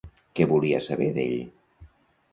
Què volia saber d'ell?